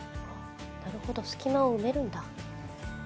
なるほど隙間を埋めるんだ。